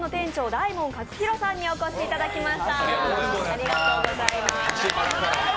大門克弘さんにお越しいただきました。